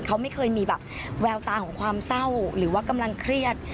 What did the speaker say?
เขาไม่เคยมีแบบแววตาของความเศร้าหรือว่ากำลังเครียด